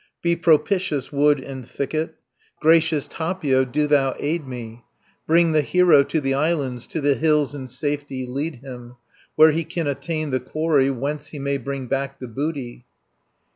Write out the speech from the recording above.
30 "Be propitious wood and thicket, Gracious Tapio, do thou aid me, Bring the hero to the islands, To the hills in safety lead him, Where he can attain the quarry, Whence he may bring back the booty.